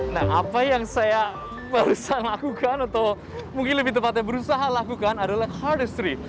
nah apa yang saya lakukan atau mungkin lebih tepatnya berusaha lakukan adalah cardistry